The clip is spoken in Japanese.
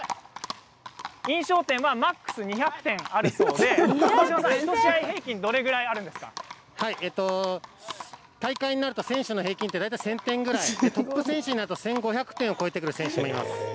印象点はマックス２００点あるということで、１試合平均大会になると選手の平均は１０００点ぐらいトップ選手では１５００点を超えてくる選手もいます。